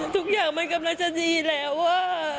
ทุกอย่างมันกำลังจะดีแล้ว